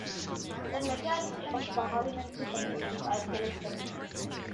The majority of parliamentary committees are Select Committees.